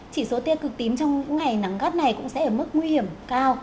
chỉ số tia cực tím trong những ngày nắng gắt này cũng sẽ ở mức nguy hiểm cao